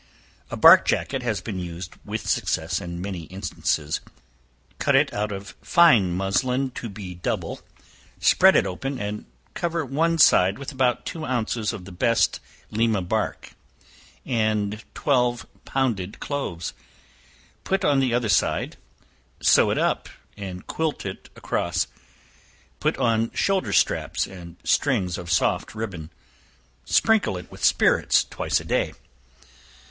A bark jacket has been used with success in many instances, cut it out of fine muslin, to be double, spread it open, and cover one side with about two ounces of the best Lima bark, and twelve pounded cloves; put on the other side, sew it up, and quilt it across; put on shoulder straps and strings of soft ribbon; sprinkle it with spirits twice a day.